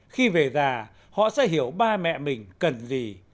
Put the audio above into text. khi về già họ sẽ hiểu ba mẹ mình cần gì